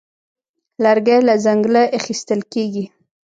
لرګی له ځنګله اخیستل کېږي.